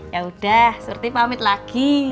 yaudah surti pamit lagi